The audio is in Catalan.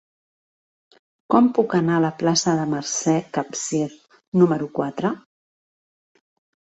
Com puc anar a la plaça de Mercè Capsir número quatre?